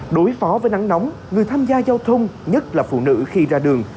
đối phó với nắng nóng người tham gia giao thông nhất là phụ nữ khi ra đường